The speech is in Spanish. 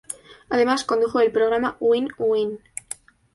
Además condujo el programa "Win Win".